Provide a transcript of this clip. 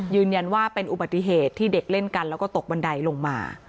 ยืนยันว่าเป็นอุบัติเหตุที่เด็กเล่นกันแล้วก็ตกบันไดลงมา